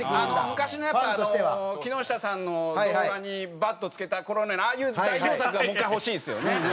昔のやっぱ木下さんの動画に「バッド」つけた頃のようなああいう代表作がもう１回欲しいですよね。